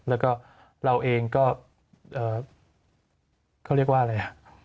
แล้วก็เราเองก็เขาเรียกว่าอะไร